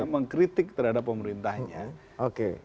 mengkritik terhadap pemerintahnya